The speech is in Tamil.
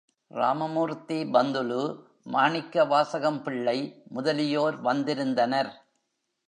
ராமமூர்த்தி பந்துலு, மாணிக்கவாசகம் பிள்ளை முதலியோர் வந்திருந்தனர்.